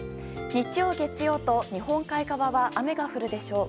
日曜、月曜と日本海側は雨が降るでしょう。